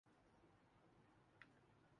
وہ روایت کے تسلسل میں سوچتے ہیں۔